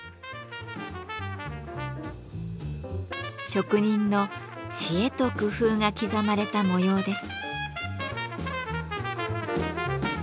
職人の知恵と工夫が刻まれた模様です。